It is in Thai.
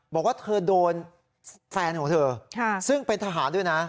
บอกว่าเธอโดนแฟนของเธอซึ่งเป็นทหารด้วยนะ